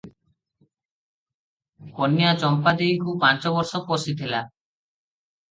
କନ୍ୟା ଚମ୍ପା ଦେଇକୁ ପାଞ୍ଚ ବର୍ଷ ପଶିଥିଲା ।